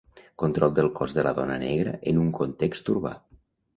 Control del cos de la dona negra en un context urbà.